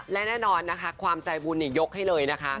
และแน่นอนนะคะความใจบุญยกให้เลยนะคะ